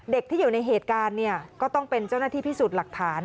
ที่อยู่ในเหตุการณ์เนี่ยก็ต้องเป็นเจ้าหน้าที่พิสูจน์หลักฐาน